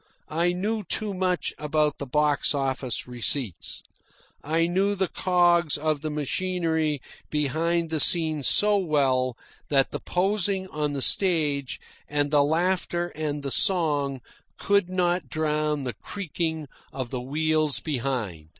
I knew too much about the box office receipts. I knew the cogs of the machinery behind the scenes so well that the posing on the stage, and the laughter and the song, could not drown the creaking of the wheels behind.